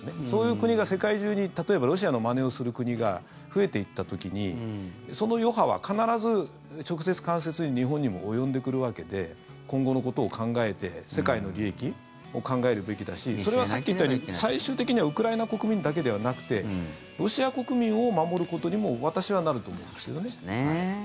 そういう国が世界中に例えばロシアのまねをする国が増えていった時にその余波は必ず直接・間接的に日本にも及んでくるわけで今後のことを考えて世界の利益を考えるべきだしそれは、さっき言ったように最終的にはウクライナ国民だけではなくてロシア国民を守ることにも私はなると思いますけどね。